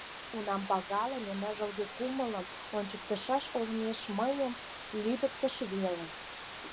— Унам пагалыме, ныжылге кумылым ончыктышаш олмеш мыйым лӱдыктыш веле».